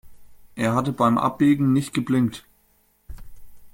Er hatte beim Abbiegen nicht geblinkt.